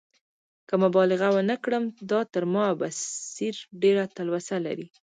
که مبالغه ونه کړم، دا تر ما او بصیر ډېره تلوسه لري.